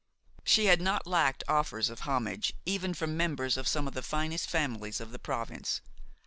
She had not lacked offers of homage, even from members of some of the finest families of the province.